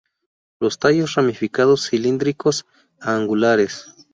Los tallos ramificados, cilíndricos a angulares.